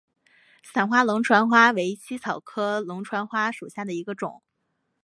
散花龙船花为茜草科龙船花属下的一个种。